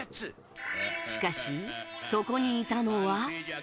しかし、そこにいたのは。